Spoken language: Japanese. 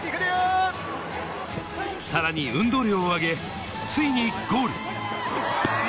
さらに運動量を上げ、ついにゴール。